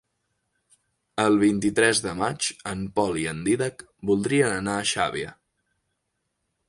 El vint-i-tres de maig en Pol i en Dídac voldrien anar a Xàbia.